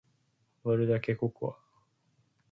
割るだけココア